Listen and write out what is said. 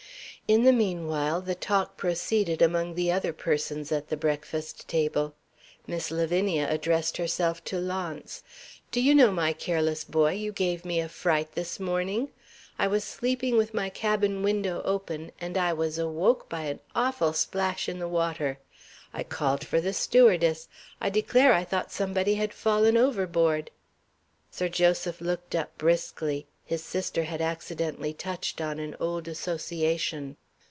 In the meanwhile the talk proceeded among the other persons at the breakfast table. Miss Lavinia addressed herself to Launce. "Do you know, you careless boy, you gave me a fright this morning? I was sleeping with my cabin window open, and I was awoke by an awful splash in the water. I called for the stewardess. I declare I thought somebody had fallen overboard!" Sir Joseph looked up briskly; his sister had accidentally touched on an old association.